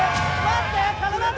待って！